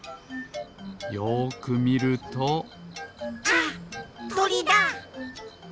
よくみるとあとりだ！